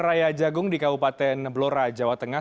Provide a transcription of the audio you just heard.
raya jagung di kabupaten blora jawa tengah